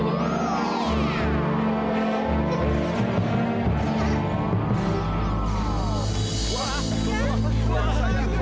aku capek mau pulang